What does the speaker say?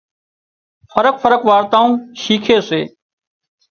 فرق فرق وارتائون شيکي سي